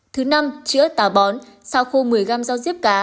thứ năm chữa tà bón xào khô một mươi g rau diếp cá